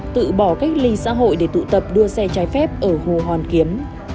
tự bỏ cách ly xã hội để tụ tập đua xe trái phép ở hồ hoàn kiếm